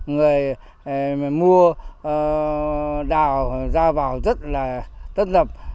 người mua đào ra vào rất là tất dập